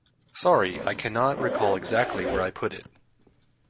Sorry I cannot recall exactly where I put it.